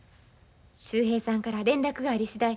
秀平さんから連絡がありしだい